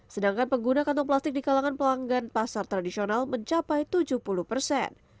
sedangkan pengguna kantong plastik di kalangan pelanggan pasar tradisional mencapai tujuh puluh persen